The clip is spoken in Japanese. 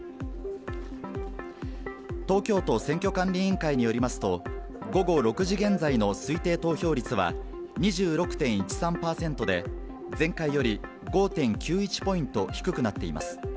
東京都選挙管理委員会によりますと、午後６時現在の推定投票率は２６．１３％で、前回より５．９１ポイント低くなっています。